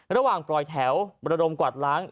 ระหว่างปล่อยแถวระดมกวาดล้าง